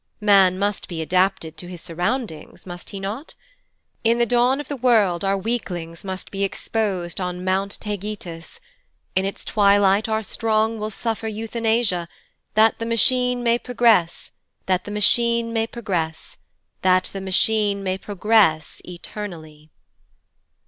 Man must be adapted to his surroundings, must he not? In the dawn of the world our weakly must be exposed on Mount Taygetus, in its twilight our strong will suffer euthanasia, that the Machine may progress, that the Machine may progress, that the Machine may progress eternally.